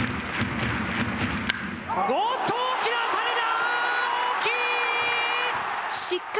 おっと大きな当たりだ！